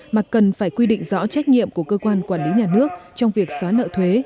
mà cần phải quy định rõ trách nhiệm của cơ quan quản lý nhà nước trong việc xóa nợ thuế